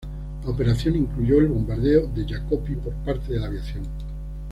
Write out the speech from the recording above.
La operación incluyó el bombardeo de Yacopí por parte de la aviación.